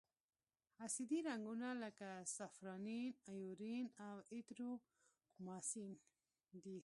اسیدي رنګونه لکه سافرانین، ائوزین او ایریترومایسین دي.